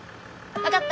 分かった？